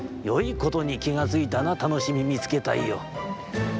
よいことにきがついたなたのしみみつけたいよ。